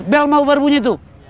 bel mau berbunyi tuh